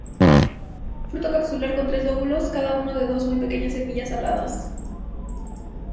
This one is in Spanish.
Fruto capsular con tres lóculos, cada uno con dos muy pequeñas semillas aladas.